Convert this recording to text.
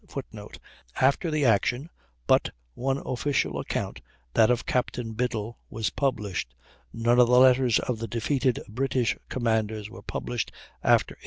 [Footnote: After the action but one official account, that of Captain Biddle, was published; none of the letters of the defeated British commanders were published after 1813.